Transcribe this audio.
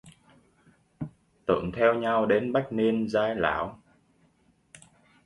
Tưởng theo nhau đến bách niên giai lảo